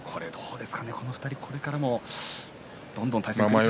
この２人これからもどんどん対戦が組まれますね。